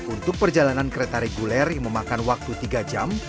untuk perjalanan kereta reguler yang memakan waktu tiga jam